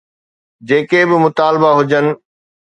جيڪي به مطالبا هجن.